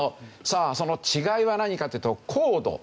さあその違いは何かというと硬度。